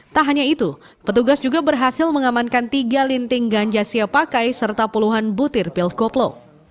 tak hanya itu petugas juga berhasil mengamankan tiga linting ganja siap pakai serta puluhan butir pil koplo